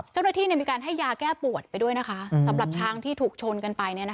เจ้าหน้าที่มีการให้ยาแก้ปวดไปด้วยนะคะสำหรับช้างที่ถูกชนกันไป